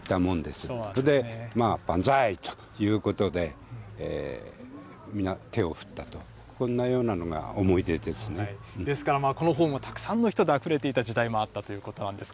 それで万歳ということで、皆、手を振ったと、こんなようなのが思ですからこのホームもたくさんの人であふれていた時代もあったということなんです。